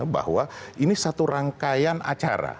bahwa ini satu rangkaian acara